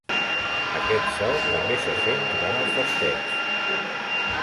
Aquest so també se sent durant el festeig.